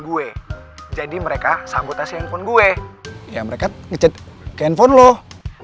gue jadi mereka sabotasi handphone gue ya mereka ngecek ke handphone loh